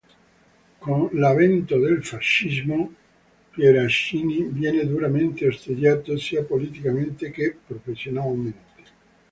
Con l'avvento del fascismo, Pieraccini viene duramente osteggiato sia politicamente che professionalmente.